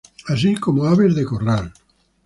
Así como aves de corral.